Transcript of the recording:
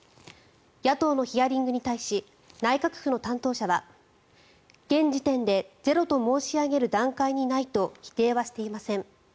野党のヒアリングに対し内閣府の担当者は現時点でゼロと申し上げる段階にないと否定はしていません。